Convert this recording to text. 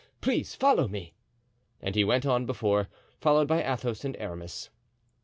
Please follow me," and he went on before, followed by Athos and Aramis.